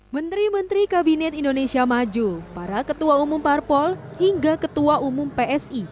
menteri menteri kabinet indonesia maju para ketua umum parpol hingga ketua umum psi